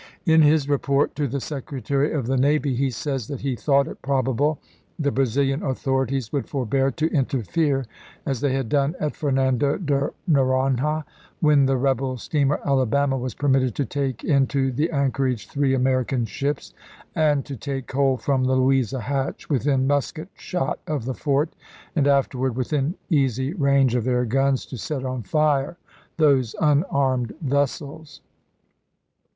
In his report to the Secretary of the Navy he says that he "thought it probable the Brazilian authori ties would forbear to interfere, as they had done at Fernando de Noronha, when the rebel steamer Ala bama was permitted to take into the anchorage three American ships, and to take coal from the Louisa Hatch within musket shot of the fort, and after ward, within easy range of their guns, to set on fire those unarmed vessels."